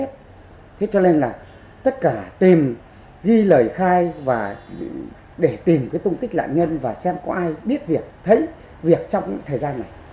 cho nên tìm ghi lời khai mad at home và để tìm cái tung tích nạn nhân xem có ai biết và thấy từ thời gian này